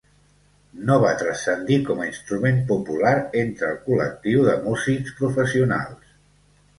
No va transcendir com a instrument popular entre el col·lectiu de músics professionals.